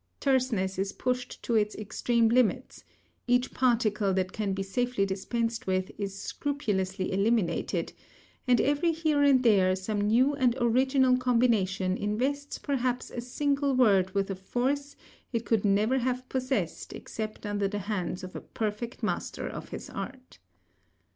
Terseness is pushed to its extreme limits; each particle that can be safely dispensed with is scrupulously eliminated; and every here and there some new and original combination invests perhaps a single word with a force it could never have possessed except under the hands of a perfect master of his art.